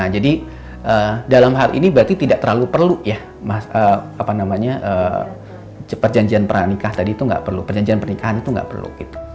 jadi dalam hal ini berarti tidak terlalu perlu perjanjian pernikahan itu tidak perlu